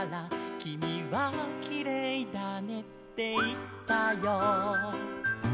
「きみはきれいだねっていったよ」